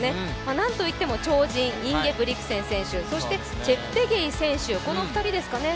なんといっても超人インゲブリクセン選手そしてチェプテゲイ選手、この２人ですかね。